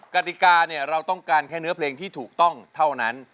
กติกาเนี่ยเราต้องการแค่เนื้อเพลงที่ถูกต้องเท่านั้น